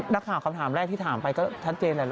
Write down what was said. นักข่าวคำถามแรกที่ถามไปก็ชัดเจนแหละ